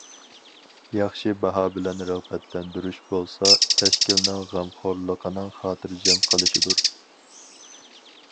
« ياخشى باھا» بىلەن رىغبەتلەندۈرۈش بولسا، تەشكىلنىڭ غەمخورلۇقىنىڭ خاتىرجەم قىلىشىدۇر.